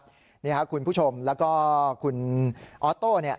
นะครับนี่ค่ะคุณผู้ชมแล้วก็คุณออโต้เนี่ย